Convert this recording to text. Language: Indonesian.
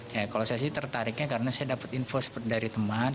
ya kalau saya sih tertariknya karena saya dapat info dari teman